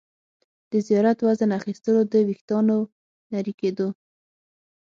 د زیات وزن اخیستلو، د ویښتانو نري کېدو